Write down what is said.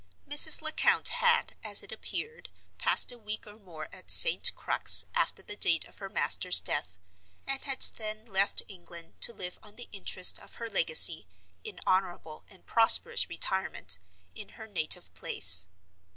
Mrs. Lecount had, as it appeared, passed a week or more at St. Crux after the date of her master's death, and had then left England, to live on the interest of her legacy, in honorable and prosperous retirement, in her native place.